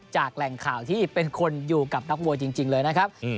แหล่งข่าวที่เป็นคนอยู่กับนักมวยจริงเลยนะครับ